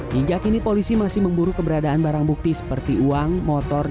hingga kini polisi masih memburu keberadaan barang bukti seperti uang motor